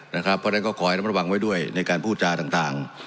นะครับเพราะฉะนั้นก็ขอให้ทำระวังไว้ด้วยในการพูดจากต่าง